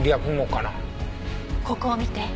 ここを見て。